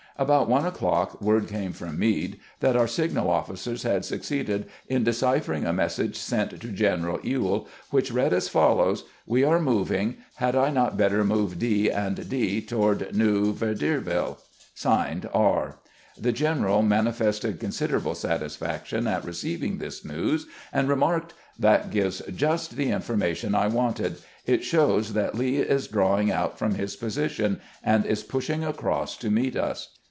About one o'clock word came from Meade that our signal officers had succeeded in deciphering a message sent to General Ewell, which read as follows :" We are moving. Had I not better move D. and D. toward New Verdierville ? (Signed) R." The general manifested considerable satisfaction at receiving this news, and re marked: "That gives just the information I wanted. It shows that Lee is drawing out from his position, and is pushing across to meet us."